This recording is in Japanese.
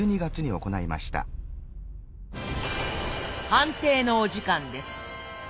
判定のお時間です。